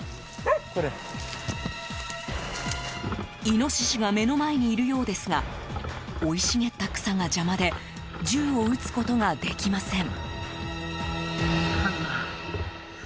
イノシシが目の前にいるようですが生い茂った草が邪魔で銃を撃つことができません。